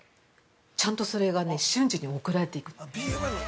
ちゃんとそれが瞬時に送られていく。